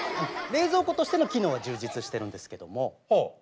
冷蔵庫としての機能が充実してるんですけども。